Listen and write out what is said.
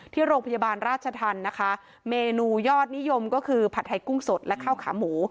ที่โรงพยาบาลราชธรรมนะคะเมนูยอดนิยมก็คือผัดไทยกุ้งสดและข้าวขาหมู